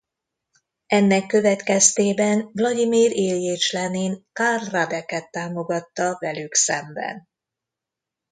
Ennek következtében Vlagyimir Iljics Lenin Karl Radeket támogatta velük szemben.